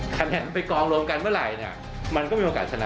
คะแนนไปกองรวมกันเมื่อไหร่เนี่ยมันก็มีโอกาสชนะ